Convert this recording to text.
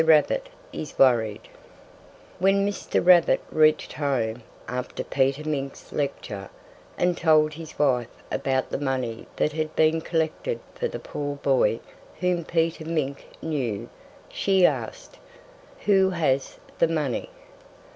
RABBIT IS WORRIED When Mr. Rabbit reached home, after Peter Mink's lecture, and told his wife about the money that had been collected for the poor boy whom Peter Mink knew, she asked: "Who has the money?"